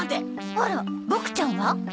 あらボクちゃんは？